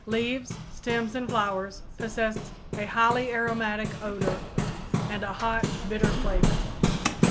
Leaves, stems and flowers possess a highly aromatic odor and a hot, bitter flavor.